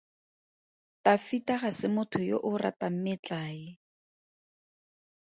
Tafita ga se motho yo o ratang metlae.